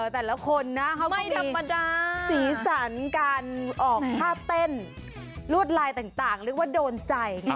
แต่ละคนนะเขาไม่ธรรมดาสีสันการออกท่าเต้นลวดลายต่างเรียกว่าโดนใจไง